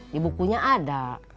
di bukunya ada